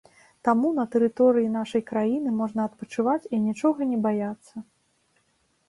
Таму на тэрыторыі нашай краіны можна адпачываць і нічога не баяцца.